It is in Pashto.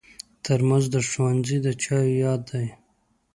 ترموز د ښوونځي د چایو یاد دی.